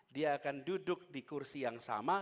dia akan duduk di kursi yang sama